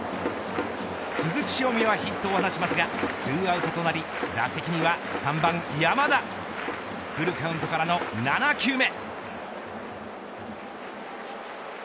続く塩見はヒットを放ちますが２アウトとなり打席には３番山田フルカウントからの７球目。